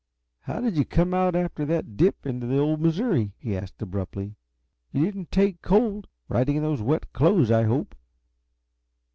How did you come out after that dip into the old Missouri?" he asked, abruptly. "You didn't take cold, riding in those wet clothes, I hope?"